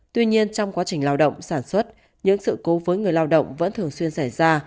tuy nhiên trong quá trình lao động sản xuất những sự cố với người lao động vẫn thường xuyên xảy ra